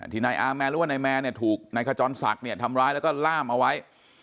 นายอาแมนหรือว่านายแมนเนี่ยถูกนายขจรศักดิ์เนี่ยทำร้ายแล้วก็ล่ามเอาไว้